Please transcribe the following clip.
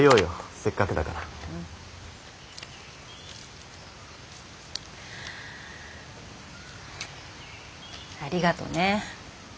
せっかくだから。ありがとね。